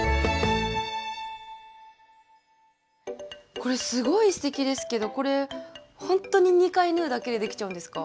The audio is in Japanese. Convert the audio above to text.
これすごいすてきですけどこれほんとに２回縫うだけでできちゃうんですか？